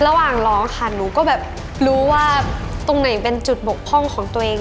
ระหว่างร้องค่ะหนูก็แบบรู้ว่าตรงไหนเป็นจุดบกพร่องของตัวเอง